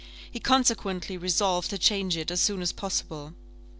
He consequently resolved to change it as soon as possible.